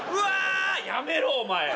「やめろお前。